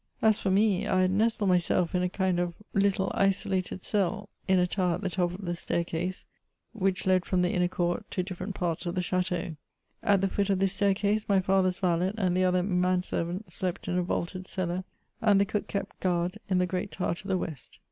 As for me, I had nestled myself in a kind of little isolated cell, in a tower at the top of the staircase which led from the inner court to different parts of the chateau. At the foot of this staircase my father's valet and the other man ser vant slept in a vaulted cellar ; and the cook kept guard in the great tower to the west.